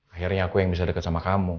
akhirnya aku yang bisa dekat sama kamu